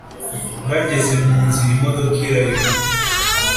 Bageze mu nzira imodoka irayoba